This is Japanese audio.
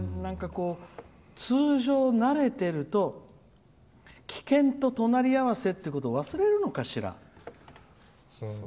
通常、慣れてると危険と隣りあわせっていうことを忘れるのかしら。